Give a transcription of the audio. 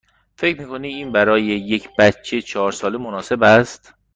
فکر می کنید این برای یک بچه چهار ساله مناسب است؟